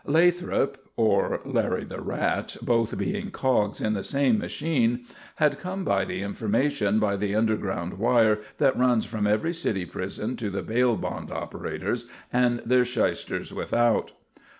Lathrop or Larry the Rat, both being cogs in the same machine had come by the information by the underground wire that runs from every city prison to the bail bond operators and their shysters without.